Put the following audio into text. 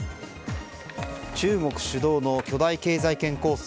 中国主導の巨大経済圏構想